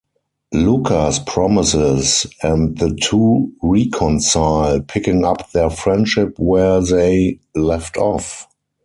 Lucas promises, and the two reconcile, picking up their friendship where they left off.